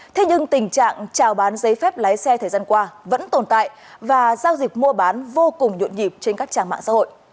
thế nhưng tình trạng trào bán giấy phép lái xe thời gian qua vẫn tồn tại và giao dịch mua bán vô cùng nhộn nhịp trên các trang mạng xã hội